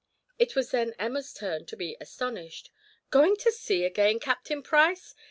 It was then Emma's turn to be astonished: "Going to sea again, Captain Price?